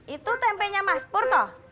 itu tempenya mas pur toh